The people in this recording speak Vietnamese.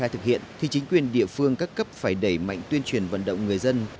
thì chính quyền địa phương các cấp phải đẩy mạnh tuyên truyền vận động người dân